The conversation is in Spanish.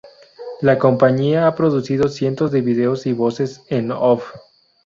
La compañía ha producido cientos de vídeos y voces en off.